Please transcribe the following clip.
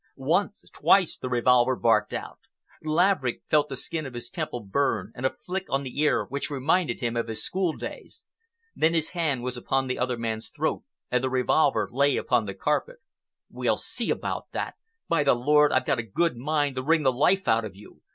Once, twice, the revolver barked out. Laverick felt the skin of his temple burn and a flick on the ear which reminded him of his school days. Then his hand was upon the other man's throat and the revolver lay upon the carpet. "We'll see about that. By the Lord, I've a good mind to wring the life out of you.